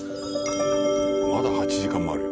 まだ８時間もあるよ。